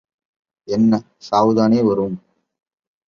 என்ன, சாவுதானே வரும்?